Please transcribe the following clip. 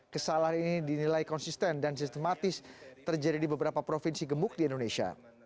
kesalahan ini dinilai konsisten dan sistematis terjadi di beberapa provinsi gemuk di indonesia